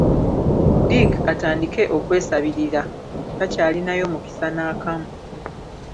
Dick atandike okwesabirira, takyalinayo mukisa n'akamu.